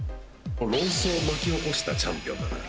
論争を巻き起こしたチャンピオンだから。